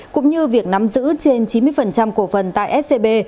cũng như việc nắm giữ trên chín mươi cổ phần tại scb